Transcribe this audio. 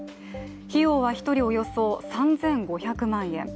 費用は一人およそ３５００万円。